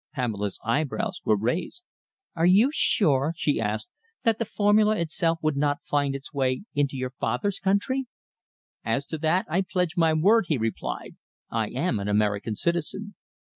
Pamela's eyebrows were raised. "Are you sure," she asked, "that the formula itself would not find its way into your father's country?" "As to that I pledge my word," he replied. "I am an American citizen."